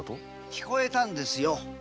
聞こえたんですよ。